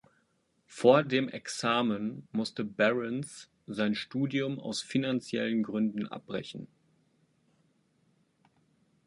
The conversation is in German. Vor dem Examen musste Barons sein Studium aus finanziellen Gründen abbrechen.